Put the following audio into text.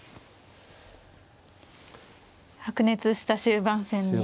白熱した終盤戦に。